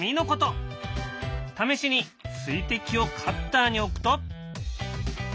試しに水滴をカッターに置くと。